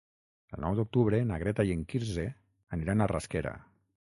El nou d'octubre na Greta i en Quirze aniran a Rasquera.